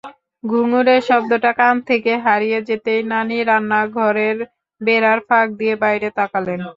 ঘুঙুরের শব্দটা কান থেকে হারিয়ে যেতেই নানি রান্নাঘরের বেড়ার ফাঁক দিয়ে বাইরে তাকালেন।